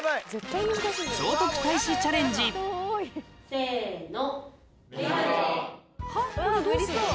せの。